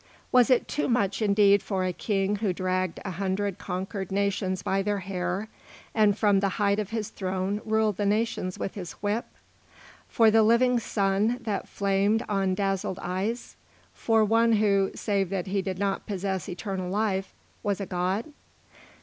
Was it too much indeed for a king who dragged a hundred conquered nations by their hair, and from the height of his throne ruled the nations with his whip? For the living Sun that flamed on dazzled eyes? For one who, save that he did not possess eternal life, was a god?